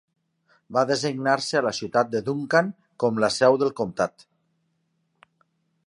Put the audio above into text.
Va designar-se a la ciutat de Duncan com la seu del comtat.